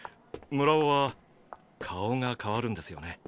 村尾は顔が変わるんですよね。